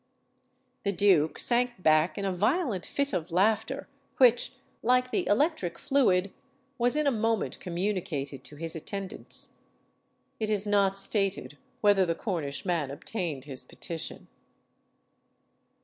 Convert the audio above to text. The duke sank back in a violent fit of laughter, which, like the electric fluid, was in a moment communicated to his attendants. It is not stated whether the Cornish man obtained his petition.